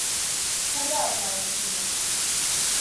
Күрә алмайым һине!